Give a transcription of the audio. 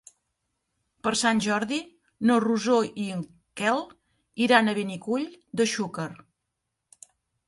Per Sant Jordi na Rosó i en Quel iran a Benicull de Xúquer.